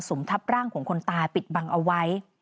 มทับร่างของคนตายปิดบังเอาไว้